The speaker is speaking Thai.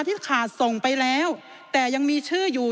ที่ขาดส่งไปแล้วแต่ยังมีชื่ออยู่